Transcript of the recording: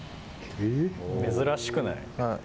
珍しくない？